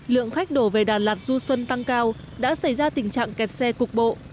lượng khách đổ về đà lạt du xuân tăng cao đã xảy ra tình trạng kẹt xe cục bộ